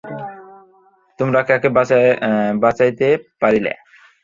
তোমরা কাকে বাঁচাইতে পারিলে?